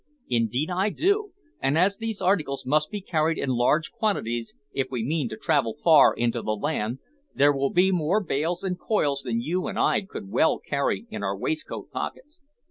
"Indeed I do, and as these articles must be carried in large quantities, if we mean to travel far into the land, there will be more bales and coils than you and I could well carry in our waistcoat pockets."